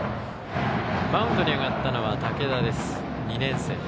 マウンドに上がったのは竹田です２年生。